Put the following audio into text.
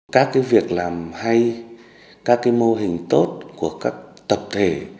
các cái việc làm hay các cái mô hình tốt của các tập thể